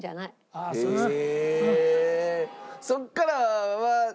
うんそうですね。